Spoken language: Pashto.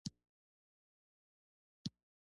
• یو ښه سړی د خپل ځان ساتنه کوي.